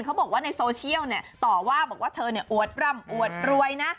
เขาบอกว่าในโซเชียลต่อว่าบอกว่าเธออวดร่ำอวดรวยนะ